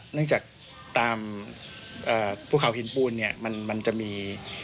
เนื่องจากตามภูเขาหินปูนเนี่ยมันจะมี